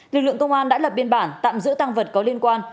lực lượng công an đã lập biên bản tạm giữ tăng vật có liên quan